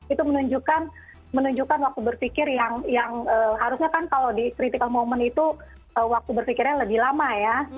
itu menunjukkan waktu berpikir yang harusnya kan kalau di critical moment itu waktu berpikirnya lebih lama ya